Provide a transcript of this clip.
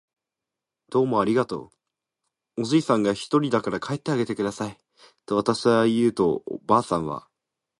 「どうもありがとう。」おじいさんがひとりだから帰ってあげてください。」とわたしが言うと、ばあさんは